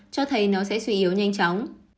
cho thấy nó sẽ suy yếu nhanh chóng